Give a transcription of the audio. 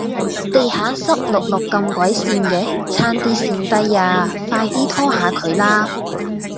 地下濕漉漉咁鬼跣嘅，差啲跣低呀，快啲拖吓佢啦